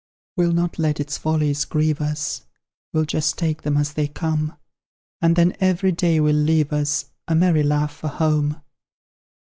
We'll not let its follies grieve us, We'll just take them as they come; And then every day will leave us A merry laugh for home.